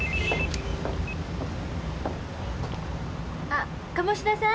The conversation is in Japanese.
あっ鴨志田さん？